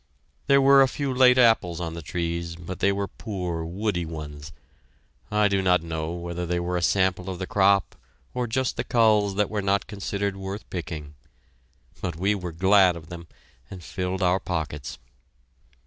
There were a few late apples on the trees, but they were poor, woody ones. I do not know whether they were a sample of the crop or just the culls that were not considered worth picking. But we were glad of them, and filled our pockets.